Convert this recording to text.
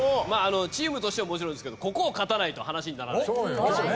チームとしてはもちろんですけどここを勝たないと話にならないんで。